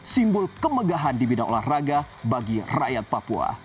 simbol kemegahan di bidang olahraga bagi rakyat papua